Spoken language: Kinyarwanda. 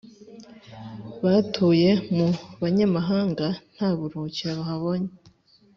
Batuye mu banyamahanga, Nta buruhukiro bahabonye